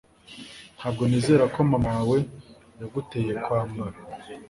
Ntabwo nizera ko mama wawe yaguteye kwambara